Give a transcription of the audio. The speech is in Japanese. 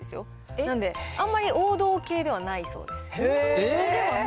なんで、あんまり王道系ではないそうです。